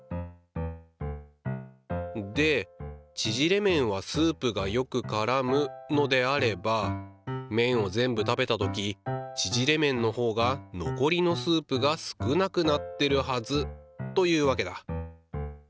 でちぢれ麺はスープがよくからむのであれば麺を全部食べた時ちぢれ麺のほうがのこりのスープが少なくなってるはずというわけだ。